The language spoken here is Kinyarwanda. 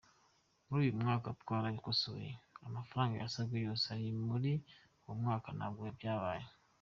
Muri uyu mwaka twarabikosoye amafaranga yarasabwe yose ariko muri uwo mwaka ntabwo byabaye.